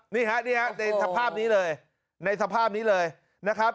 นี่ฮะในสภาพนี้เลยในสภาพนี้เลยนะครับ